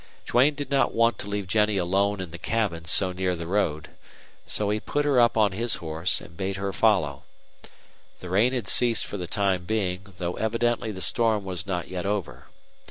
Duane did not want to leave Jennie alone in the cabin so near the road. So he put her up on his horse and bade her follow. The rain had ceased for the time being, though evidently the storm was not yet over.